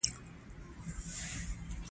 عثمان جان وویل: موږ هم در پسې را ووتو.